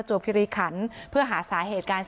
ชั่วโมงตอนพบศพ